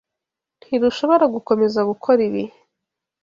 Ntidushobora gukomeza gukora ibi.